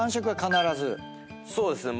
そうですね。